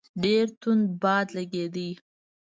ډېر توند باد لګېدی.